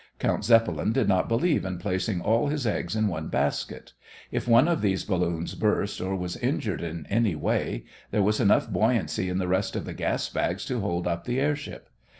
Count Zeppelin did not believe in placing all his eggs in one basket. If one of these balloons burst or was injured in any way, there was enough buoyancy in the rest of the gas bags to hold up the airship.